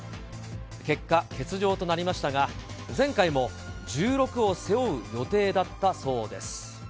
結果、欠場となりましたが、前回も１６を背負う予定だったそうです。